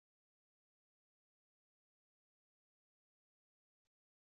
shilingi mia mbili themanini na tisa za Tanzania wasa na dola kumi sita kwa lita